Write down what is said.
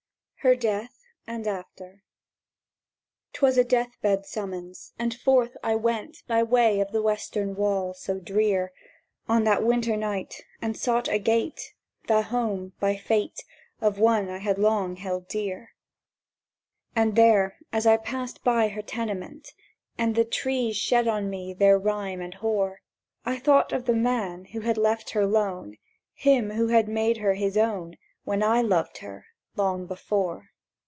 HER DEATH AND AFTER 'TWAS a death bed summons, and forth I went By the way of the Western Wall, so drear On that winter night, and sought a gate— The home, by Fate, Of one I had long held dear. And there, as I paused by her tenement, And the trees shed on me their rime and hoar, I thought of the man who had left her lone— Him who made her his own When I loved her, long before.